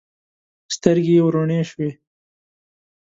سترګې یې وروڼې شوې.